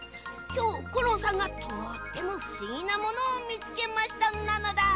きょうコロンさんがとってもふしぎなものをみつけましたなのだ。